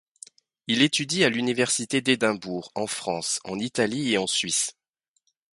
Il étudie à l'université d'Édimbourg, en France, en Italie et en Suisse.